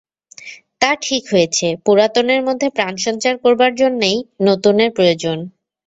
তা, ঠিক হয়েছে– পুরাতনের মধ্যে প্রাণসঞ্চার করবার জন্যেই নূতনের প্রয়োজন।